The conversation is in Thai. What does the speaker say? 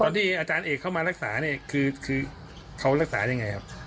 ที่อาจารย์เอกเข้ามารักษาเนี่ยคือเขารักษายังไงครับ